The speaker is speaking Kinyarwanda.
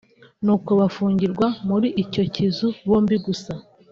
nuko bafungirwa muri icyo kizu bombi gusa